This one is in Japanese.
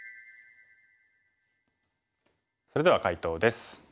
それでは解答です。